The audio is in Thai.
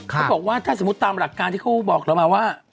เขาบอกว่าถ้าสมมุติตามหลักการที่เขาบอกเรามาว่า